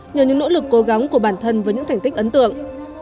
nhờ những nỗ lực cố gắng của bản thân với những thành tích ấn tượng